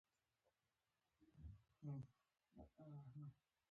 نه کور لرو نه جایداد